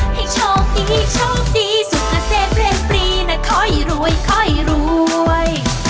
ให้ชอบดีชอบดีสุขเสธเรียนปรีนะค่อยรวยค่อยรวย